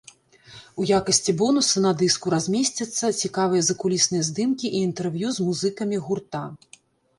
У якасці бонуса на дыску размесцяцца цікавыя закулісныя здымкі і інтэрв'ю з музыкамі гурта.